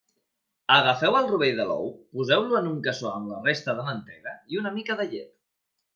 Agafeu el rovell de l'ou, poseu-lo en un cassó amb la resta de mantega i una mica de llet.